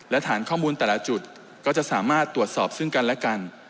และฐานข้อมูลแต่ละจุดก็จะสามารถตรวจสอบซึ่งกันและกัน